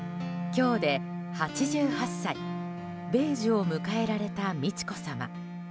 今日で８８歳米寿を迎えられた美智子さま。